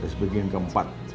terus bagian keempat